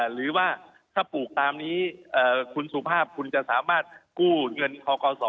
หรือว่าถ้าปลูกตามนี้คุณสุภาพคุณจะสามารถกู้เงินทกศ